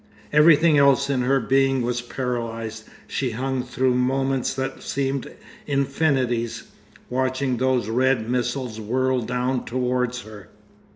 Everything else in her being was paralysed, she hung through moments that seemed infinities, watching those red missiles whirl down towards her.